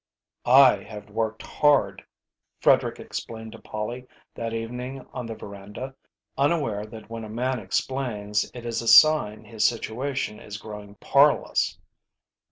V "I have worked hard," Frederick explained to Polly that evening on the veranda, unaware that when a man explains it is a sign his situation is growing parlous.